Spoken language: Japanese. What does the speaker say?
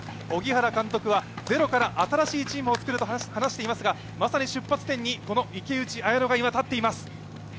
荻原監督はゼロから新しいチームを作ると話していますが、まさに出発点に、この池内彩乃が立っています。